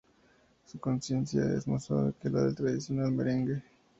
Su consistencia es más suave que la del tradicional merengue.